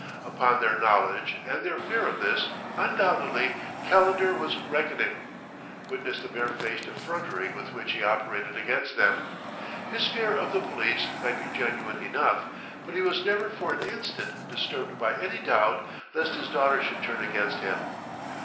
Upon their knowledge and their fear of this, undoubtedly Calendar was reckoning: witness the barefaced effrontery with which he operated against them. His fear of the police might be genuine enough, but he was never for an instant disturbed by any doubt lest his daughter should turn against him.